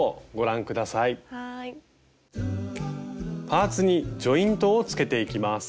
パーツにジョイントをつけていきます。